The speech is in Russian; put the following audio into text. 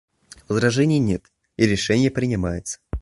Возражений нет, и решение принимается.